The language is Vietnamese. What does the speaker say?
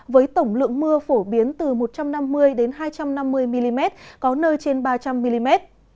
với tổng lượng mưa phổ biến từ một trăm năm mươi hai trăm năm mươi mm có nơi trên ba trăm linh mm